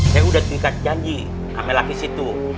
saya udah tingkat janji sama laki laki itu